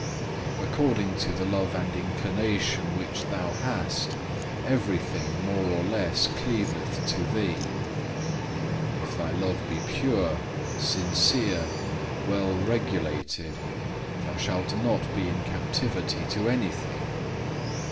According to the love and inclination which thou hast, everything more or less cleaveth to thee. If thy love be pure, sincere, well regulated, thou shalt not be in captivity to anything.